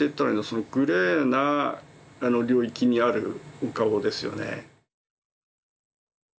そのグレーな領域にあるお顔ですよね。